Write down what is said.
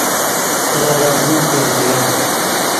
ترے ریزن کڑ ژیو